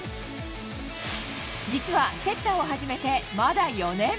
実はセッターを始めてまだ４年。